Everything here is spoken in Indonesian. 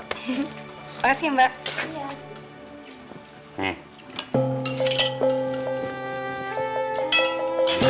kenapa sih lo ngeliatin gue aja